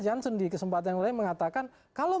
johnson di kesempatan yang lain mengatakan kalau